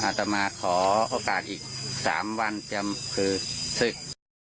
อาจจะมาขอโอกาสอีก๓วันจำคือศึก